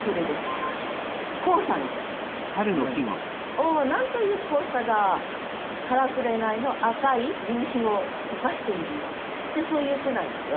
「おお何という黄砂だからくれないの赤い夕日を溶かしているよ」ってそういう句なんですが。